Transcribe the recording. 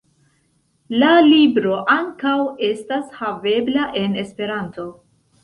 La libro ankaŭ estas havebla en Esperanto.